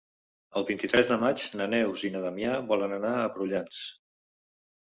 El vint-i-tres de maig na Neus i na Damià volen anar a Prullans.